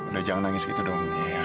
udah jangan nangis gitu dong